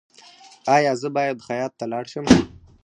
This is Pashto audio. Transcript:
ایا زه باید خیاط ته لاړ شم؟